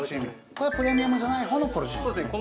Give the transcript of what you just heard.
これはプレミアムじゃないほうのポルチーニですね